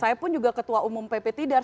saya pun juga ketua umum pp tidar